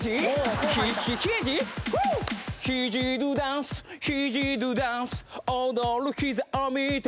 「ひじ・ドゥ・ダンスひじ・ドゥ・ダンス」「踊るひざを見てる」